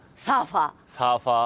サーファー？